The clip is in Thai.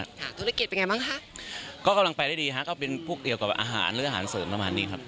ค่ะธุรกิจเป็นไงบ้างคะก็กำลังไปได้ดีฮะก็เป็นพวกเกี่ยวกับอาหารหรืออาหารเสริมประมาณนี้ครับ